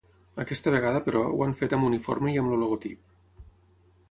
Aquesta vegada, però ho han fet amb uniforme i amb el logotip.